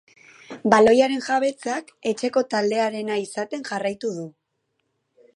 Baloiaren jabetzak etxeko taldearena izaten jarraitu du.